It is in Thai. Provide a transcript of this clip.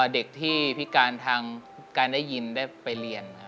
เด็กที่พิการทางการได้ยินได้ไปเรียน